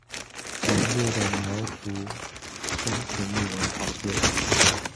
浓烈的苗族风情令人陶醉。